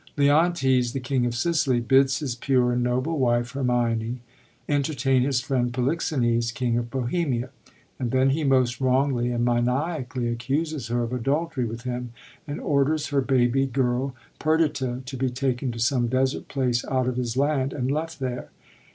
Leontes, the king of Sicily, bids his pure and noble wife, Hermione, entertain his friend Polixenes, king of Bohemia; and then he most wrongly and maniacally accuses her of adultery with him, and orders her baby girl, Perdita, to be taken to some desert place out of his land, and left there.